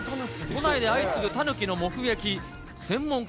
都内で相次ぐタヌキの目撃。